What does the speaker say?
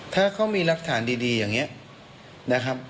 ถ้าเขามีรักฐานดีอย่างนี้นะครับ